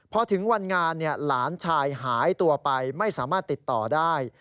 พอถึงวันงานหลานชายหายตัวไปไม่สามารถติดต่อได้